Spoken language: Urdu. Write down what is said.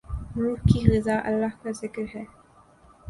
روح کی غذا اللہ کا ذکر ہے